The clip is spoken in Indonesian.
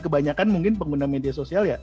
kebanyakan mungkin pengguna media sosial ya